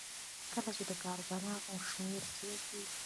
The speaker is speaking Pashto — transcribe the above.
کله چې د کارګرانو شمېر زیات وي